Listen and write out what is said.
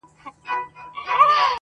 • نوم يې کله کله د خلکو په خوله راځي..